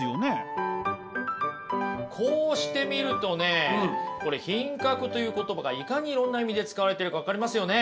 こうしてみるとねこれ品格という言葉がいかにいろんな意味で使われてるか分かりますよね。